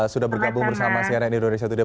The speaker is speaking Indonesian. sudah bergabung bersama cnn indonesia today